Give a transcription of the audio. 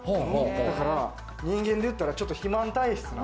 だから人間で言ったらちょっと肥満体質。